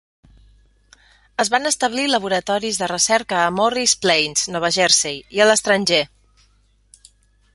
Es van establir laboratoris de recerca a Morris Plains, Nova Jersey, i a l'estranger.